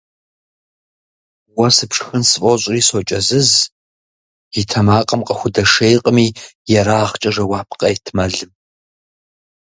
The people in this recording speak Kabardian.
– Уэ сыпшхын сфӀощӀри сокӀэзыз – и тэмакъым къыхудэшейкъыми ерагъкӀэ жэуап къет Мэлым.